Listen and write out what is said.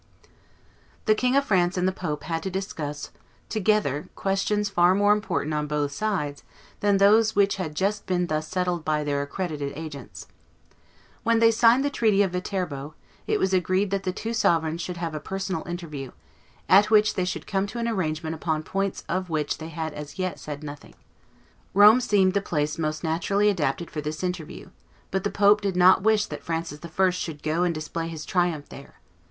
The King of France and the pope had to discuss together questions far more important on both sides than those which had just been thus settled by their accredited agents. When they signed the treaty of Viterbo, it was agreed that the two sovereigns should have a personal interview, at which they should come to an arrangement upon points of which they had as yet said nothing. Rome seemed the place most naturally adapted for this interview; but the pope did not wish that Francis I. should go and display his triumph there.